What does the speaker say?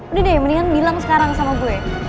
udah deh mendingan bilang sekarang sama gue